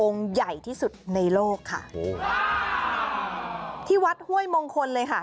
องค์ใหญ่ที่สุดในโลกค่ะที่วัดห้วยมงคลเลยค่ะ